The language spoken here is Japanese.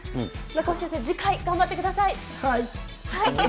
名越先生、次回頑張ってくだはい。